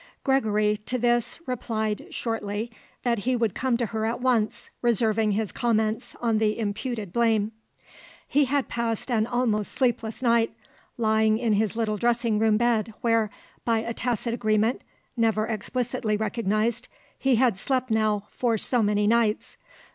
Gregory, to this, replied, shortly, that he would come to her at once, reserving his comments on the imputed blame. He had passed an almost sleepless night, lying in his little dressing room bed where, by a tacit agreement, never explicitly recognized, he had slept, now, for so many nights.